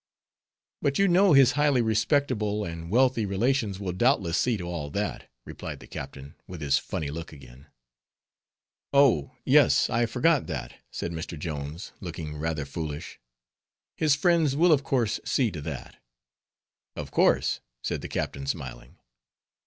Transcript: "But you know his highly respectable and wealthy relations will doubtless see to all that," replied the captain, with his funny look again. "Oh! yes, I forgot that," said Mr. Jones, looking rather foolish. "His friends will of course see to that." "Of course," said the captain smiling.